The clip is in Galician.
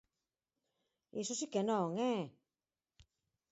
¡Iso si que non, eh!